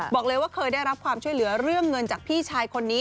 บอกเลยว่าเคยได้รับความช่วยเหลือเรื่องเงินจากพี่ชายคนนี้